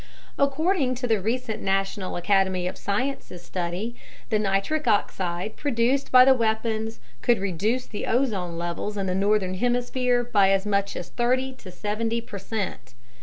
According to the recent National Academy of Sciences study, the nitric oxide produced by the weapons could reduce the ozone levels in the northern hemisphere by as much as 30 to 70 percent.